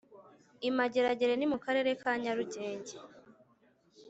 Imageragere ni mukarere ka nyarugenge